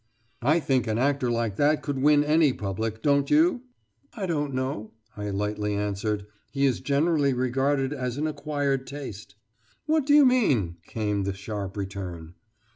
"I think an actor like that could win any public, don't you?" "I don't know," I lightly answered. "He is generally regarded as an acquired taste." "What do you mean?" came the sharp return.